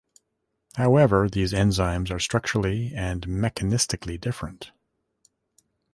However these enzymes are structurally and mechanistically different.